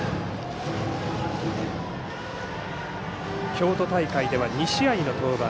京都大会では２試合の登板。